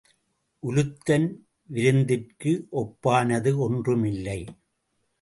உலுத்தன் விருந்திற்கு ஒப்பானது ஒன்றும் இல்லை.